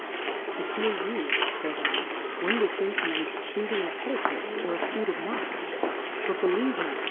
To hear you, fays 7, one wou'd think you was chufing a Petticoat, or a fuit of Knots; but believe me.